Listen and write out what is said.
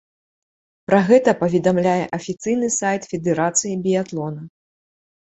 Пра гэта паведамляе афіцыйны сайт федэрацыі біятлона.